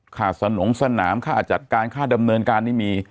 สนงสนามค่าจัดการค่าดำเนินการนี่มี